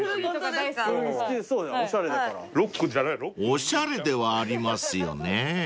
［おしゃれではありますよね］